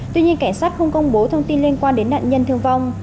tuy nhiên cảnh sát không công bố thông tin liên quan đến nạn nhân thương vong